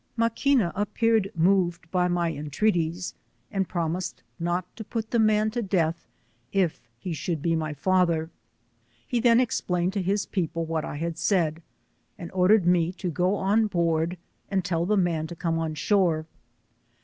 Maquina, appeared moved by my entreaties, and promised not to put the man to death if he should be my father. He then explained to his peopl* what I had said, and ordered me to go on board, and tell the man to come on shore.